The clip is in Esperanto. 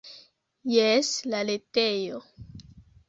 Jes, la retejo.